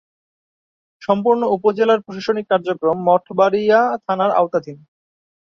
সম্পূর্ণ উপজেলার প্রশাসনিক কার্যক্রম মঠবাড়িয়া থানার আওতাধীন।